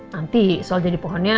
nanti soal jadi pohonnya